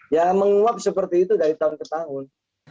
ya menguap seperti itu dari tahun ke tahun